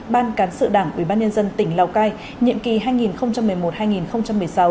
ban cán sự đảng ủy ban nhân dân tỉnh lào cai nhiệm kỳ hai nghìn một mươi một hai nghìn một mươi sáu